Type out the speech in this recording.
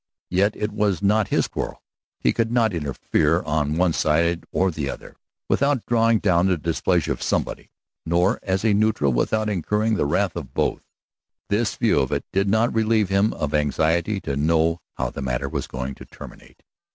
Yet, it was not his quarrel; he could not interfere on one side or the other without drawing down the displeasure of somebody, nor as a neutral without incurring the wrath of both. This view of it did not relieve him of anxiety to know how the matter was going to terminate.